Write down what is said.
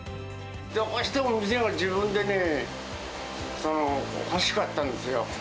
どうしても店が自分でね、欲しかったんですよ。